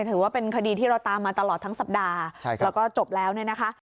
ถือว่าเป็นคดีที่เราตามมาตลอดทั้งสัปดาห์แล้วก็จบแล้วเนี่ยนะคะ